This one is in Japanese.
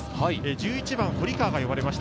１１番・堀川が呼ばれました。